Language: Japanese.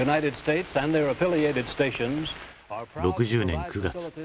６０年９月。